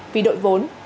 vì đội vốn